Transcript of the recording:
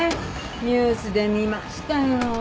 ニュースで見ましたよ。